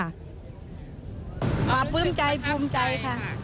ประปรื้มใจพรุมใจค่ะ